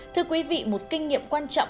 thưa quý vị một kinh nghiệm quan trọng